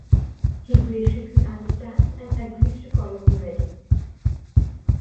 He graciously understands and agrees to call off the wedding.